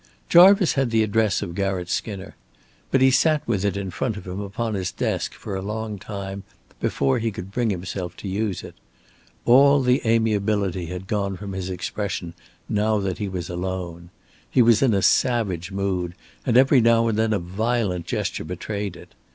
Jarvice had the address of Garratt Skinner. But he sat with it in front of him upon his desk for a long time before he could bring himself to use it. All the amiability had gone from his expression now that he was alone. He was in a savage mood, and every now and then a violent gesture betrayed it.